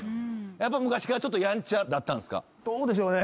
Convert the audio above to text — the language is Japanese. やっぱ昔からちょっとやんちゃだったんですか？